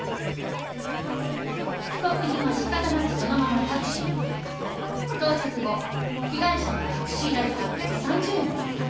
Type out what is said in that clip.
被告人は仕方なくそのままタクシーに乗り到着後被害者にタクシー代８３０円を借りた。